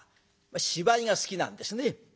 芝居が好きなんですね。